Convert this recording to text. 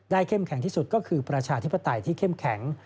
เข้มแข็งที่สุดก็คือประชาธิปไตยที่เข้มแข็ง